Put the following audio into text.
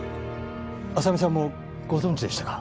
浅見さんもご存じでしたか。